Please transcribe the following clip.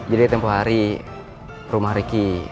jadi tempoh hari rumah riki